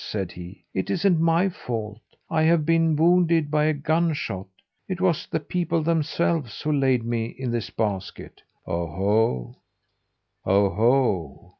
said he. "It isn't my fault. I have been wounded by a gunshot. It was the people themselves who laid me in this basket." "Oho!